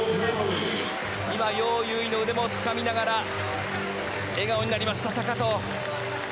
今、ようゆういの腕もつかみながら、笑顔になりました、高藤。